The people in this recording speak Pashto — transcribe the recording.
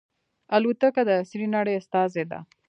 الوتکه د عصري نړۍ استازې ده.